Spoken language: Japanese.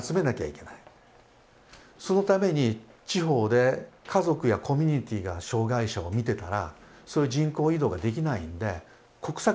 そのために地方で家族やコミュニティーが障害者を見てたらそういう人口移動ができないんで国策としてやったんですよ。